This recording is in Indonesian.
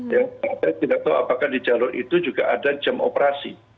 saya tidak tahu apakah di jalur itu juga ada jam operasi